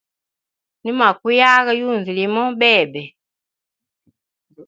Nimwa kuyaga yunzu limo bebe.